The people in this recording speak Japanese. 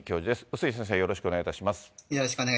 碓井先生、よろしくお願いいたします。